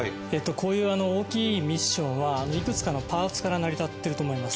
こういう大きいミッションはいくつかのパーツから成り立ってると思います。